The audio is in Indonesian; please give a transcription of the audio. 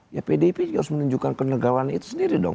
ya pdip juga harus menunjukkan kenegarawan itu sendiri dong